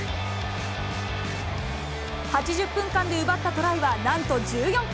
８０分間で奪ったトライはなんと１４個。